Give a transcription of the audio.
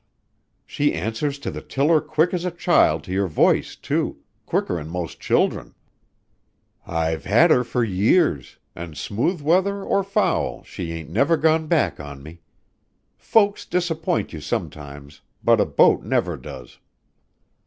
She answers to the tiller quick as a child to your voice, too quicker'n most children. I've had her for years, an' smooth weather or foul she ain't never gone back on me. Folks disappoint you sometimes; but a boat never does."